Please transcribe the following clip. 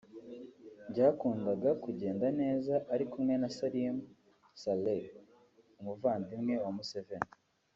Byakundaga kugenda neza ari kumwe na Salim Saleh [Umuvandimwe wa Museveni]